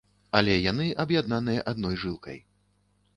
Але яны аб'яднаныя адной жылкай.